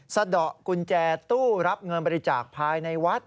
สะดอกกุญแจตู้รับเงินบริจาคภายในวัด